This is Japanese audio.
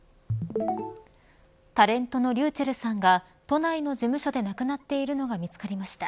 タレントのｒｙｕｃｈｅｌｌさんが都内の事務所で亡くなっているのが見つかりました。